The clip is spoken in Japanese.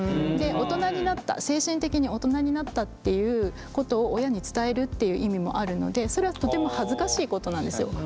大人になった精神的に大人になったっていうことを親に伝えるっていう意味もあるのでそれはとても恥ずかしいことなんですよ。